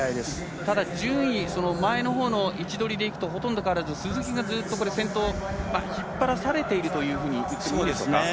ただ、順位前の方の位置取りでいくとほとんどかわらず鈴木が先頭を引っ張らされているといってもいいでしょうか。